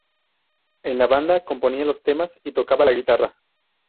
En la banda componía los temas y tocaba la guitarra.